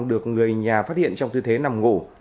được người nhà phát hiện trong tư thế nằm ngủ